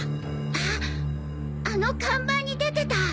あっあの看板に出てた。